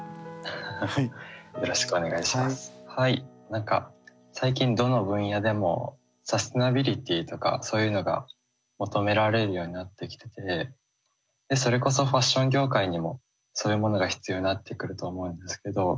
何か最近どの分野でもサステナビリティとかそういうのが求められるようになってきててそれこそファッション業界にもそういうものが必要になってくると思うんですけど